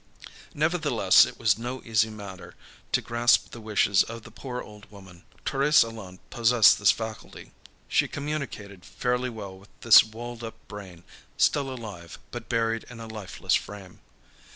Nevertheless, it was no easy matter to grasp the wishes of the poor old woman. Thérèse alone possessed this faculty. She communicated fairly well with this walled up brain, still alive, but buried in a lifeless frame.